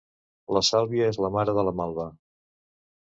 La sàlvia és la mare de la malva.